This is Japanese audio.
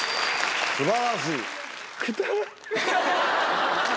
素晴らしい。